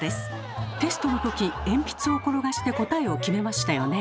テストのとき鉛筆を転がして答えを決めましたよね。